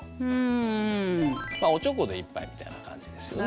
まあおちょこで一杯みたいな感じですよね。